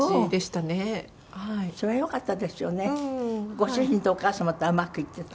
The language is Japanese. ご主人とお母様とはうまくいってた？